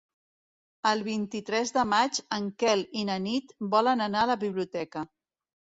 El vint-i-tres de maig en Quel i na Nit volen anar a la biblioteca.